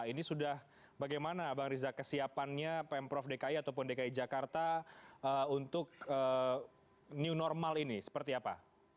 ini sudah bagaimana bang riza kesiapannya pemprov dki ataupun dki jakarta untuk new normal ini seperti apa